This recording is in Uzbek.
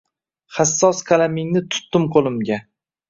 Hassos qalamingni tutdim qo’limga